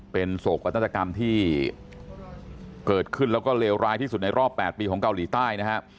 เป็นโศกนาฏกรรมที่เกิดขึ้นแล้วก็เลวร้ายที่สุดในรอบ๘ปีของเกาหลีใต้นะครับ